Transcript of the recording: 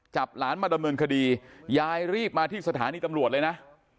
หลานมาดำเนินคดียายรีบมาที่สถานีตำรวจเลยนะ